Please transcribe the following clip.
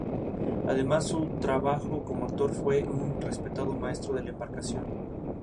Además de su trabajo como actor, fue un respetado maestro de la embarcación.